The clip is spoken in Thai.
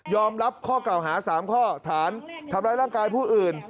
รับข้อเก่าหา๓ข้อฐานทำร้ายร่างกายผู้อื่น